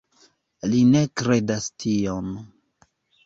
Li ne kredas tion.